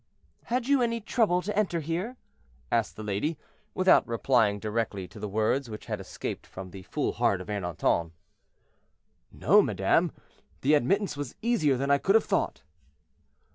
"Had you any trouble to enter here?" asked the lady, without replying directly to the words which had escaped from the full heart of Ernanton. "No, madame; the admittance was easier than I could have thought."